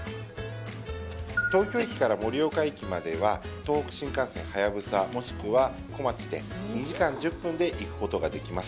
東京駅から盛岡駅までは、東北新幹線はやぶさ、もしくは、こまちで２時間１０分で行くことができます。